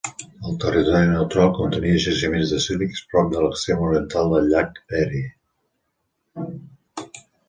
El territori Neutral contenia jaciments de sílex prop de l'extrem oriental del llac Erie.